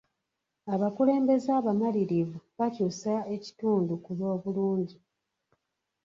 Abakulembeze abamalirivu bakyuusa ekitundu ku lw'obulungi.